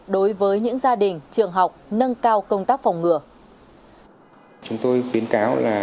đối với những gia đình trường học